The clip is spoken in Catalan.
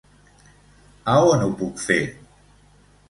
A on ho puc fer?